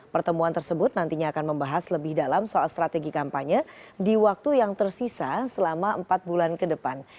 pertemuan tersebut nantinya akan membahas lebih dalam soal strategi kampanye di waktu yang tersisa selama empat bulan ke depan